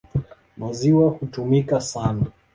Maziwa hutumika sana.